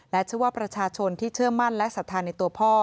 เชื่อว่าประชาชนที่เชื่อมั่นและศรัทธาในตัวพ่อ